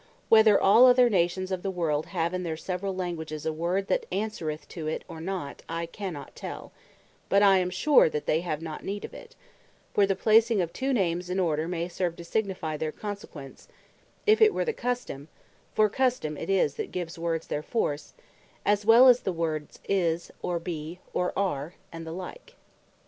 Whether all other Nations of the world have in their severall languages a word that answereth to it, or not, I cannot tell; but I am sure they have not need of it: For the placing of two names in order may serve to signifie their Consequence, if it were the custome, (for Custome is it, that give words their force,) as well as the words Is, or Bee, or Are, and the like.